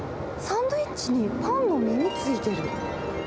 サンドイッチにパンの耳、付いてる。